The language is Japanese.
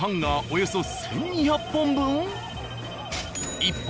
およそ１２００本分？